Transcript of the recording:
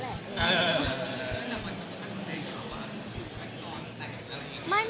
หรือว่าอยู่กันนอนหรือแต่นั้น